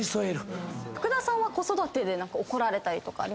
福田さんは子育てで何か怒られたりとかあります？